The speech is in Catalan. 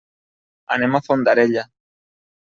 Anem a Fondarella.